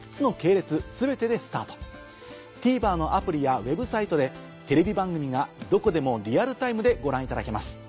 ＴＶｅｒのアプリやＷｅｂサイトでテレビ番組がどこでもリアルタイムでご覧いただけます。